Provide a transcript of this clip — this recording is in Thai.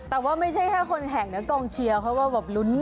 แต่ว่าไม่ใช่แค่คนแห่งเนื้อกองเชียวเขาว่าแบบลุ้น